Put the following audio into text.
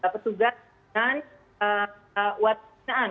pertugas dan uat pembinaan